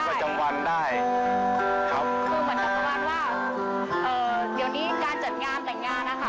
คือเหมือนกับว่าว่าเดี๋ยวนี้การจัดงานแต่งงานนะคะ